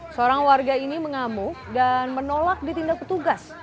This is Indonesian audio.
seorang warga ini mengamuk dan menolak ditindak petugas